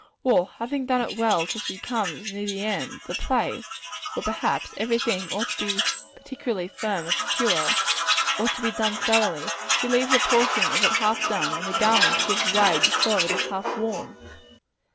Or having done it well till she comes near the end, the place where, perhaps, every thing ought to be particularly firm and secure ought to be done thoroughly she leaves a portion of it half done; and the garment gives way before it is half worn.